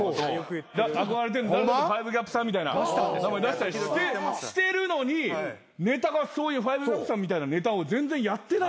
憧れてる５ＧＡＰさんみたいな名前出したりしてるのにネタがそういう５ＧＡＰさんみたいなネタを全然やってない。